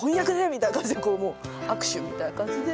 みたいな感じで握手みたいな感じで。